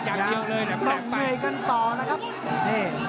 อย่างเดียวเลยนะครับต้องเมื่อกันต่อนะครับนี่